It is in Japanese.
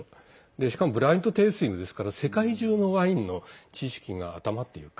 しかもブラインド・テイスティングですから世界中のワインの知識が頭というか